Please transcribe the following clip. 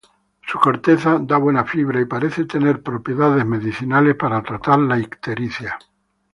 Su corteza da buena fibra, y parece tener propiedades medicinales para tratar la ictericia.